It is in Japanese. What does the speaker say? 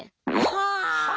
はあ！